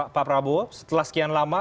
pak prabowo setelah sekian lama